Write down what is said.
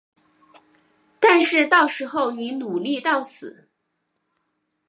但是到时候你努力到死